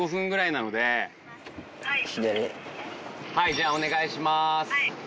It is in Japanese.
じゃあお願いします。